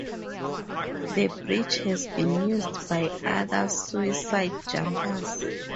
The bridge has been used by other suicide jumpers.